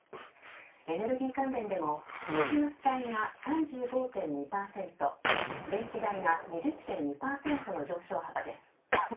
エネルギー関連でも都市ガス代が３５．２％電気代が２０．２％の上昇幅です。